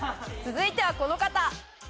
続いてはこの方。